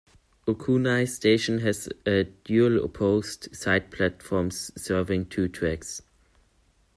Okunai Station has a dual opposed side platforms serving two tracks.